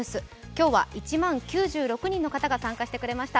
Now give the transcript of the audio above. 今日は１万９６人の方が参加してくれました。